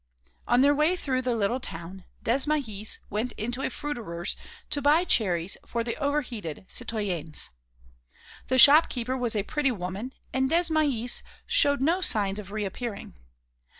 On their way through the little town, Desmahis went into a fruiterer's to buy cherries for the overheated citoyennes. The shop keeper was a pretty woman, and Desmahis showed no signs of reappearing.